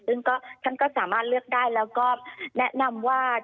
ซึ่งท่านก็สามารถเลือกได้แล้วก็แนะนำว่า